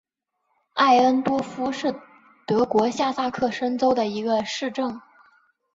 艾恩多夫是德国下萨克森州的一个市镇。